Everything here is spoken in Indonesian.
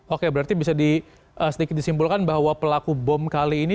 oke berarti bisa sedikit disimpulkan bahwa pelaku bom kali ini